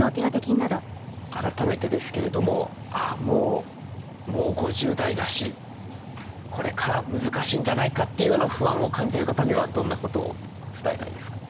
改めてですけれどももう５０代だしこれから難しいんじゃないかというような不安を感じてる方にはどんなことを伝えたいですか？